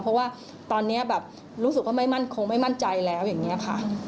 เพราะว่าตอนนี้แบบรู้สึกว่าไม่มั่นคงไม่มั่นใจแล้วอย่างนี้ค่ะ